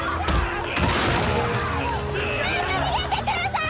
早く逃げてください！